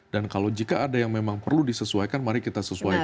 dan kalau jika ada yang memang perlu disesuaikan mari kita sesuaikan